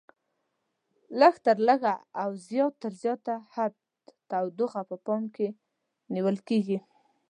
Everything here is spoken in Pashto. لږ تر لږه او زیات تر زیات حد تودوخه په پام کې نیول کېږي.